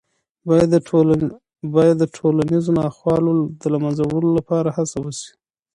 باید د ټولنیزو ناخوالو د له منځه وړلو لپاره هڅه وسي.